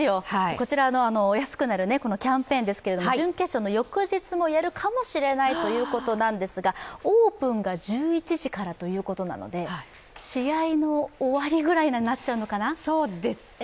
こちら安くなるキャンペーンですけれども、準決勝の翌日もやるかもしれないということなんですが、オープンが１１時からということなので、試合の終わりくらいになっちゃうのかな。